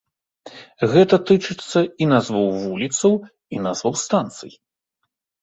Гэта тычыцца і назваў вуліцаў, і назваў станцый.